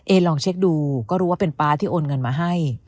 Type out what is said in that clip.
ลองเช็คดูก็รู้ว่าเป็นป๊าที่โอนเงินมาให้